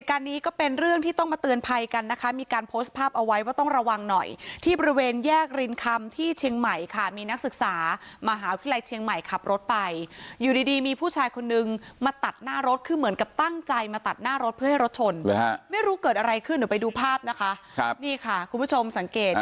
การนี้ก็เป็นเรื่องที่ต้องมาเตือนภัยกันนะคะมีการโพสต์ภาพเอาไว้ว่าต้องระวังหน่อยที่บริเวณแยกรินคำที่เชียงใหม่ค่ะมีนักศึกษามหาวิทยาลัยเชียงใหม่ขับรถไปอยู่ดีดีมีผู้ชายคนนึงมาตัดหน้ารถคือเหมือนกับตั้งใจมาตัดหน้ารถเพื่อให้รถชนไม่รู้เกิดอะไรขึ้นเดี๋ยวไปดูภาพนะคะครับนี่ค่ะคุณผู้ชมสังเกต